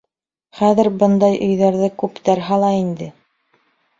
Хәҙер бындай өйҙәрҙе күптәр һала инде.